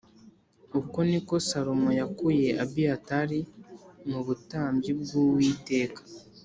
Uko ni ko Salomo yakuye Abiyatari mu butambyi bw’Uwiteka